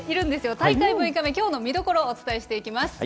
大会６日目、きょうの見どころ、お伝えしていきます。